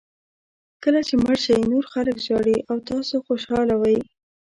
کله چې مړ شئ نور خلک ژاړي او تاسو خوشاله وئ.